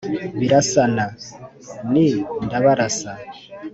birasana: ni ndabarasa